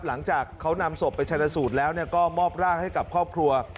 หลังจากเขานำศพไปชนะสูตรแล้วก็มอบร่างให้กับครอบครัว